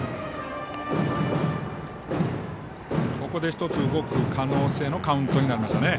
ここで１つ動く可能性のあるカウントになりました。